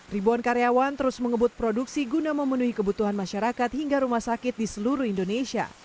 ribuan karyawan terus mengebut produksi guna memenuhi kebutuhan masyarakat hingga rumah sakit di seluruh indonesia